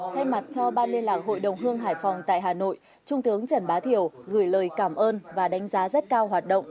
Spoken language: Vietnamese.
thay mặt cho ban liên lạc hội đồng hương hải phòng tại hà nội trung tướng trần bá thiểu gửi lời cảm ơn và đánh giá rất cao hoạt động